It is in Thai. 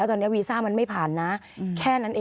ขอบคุณครับ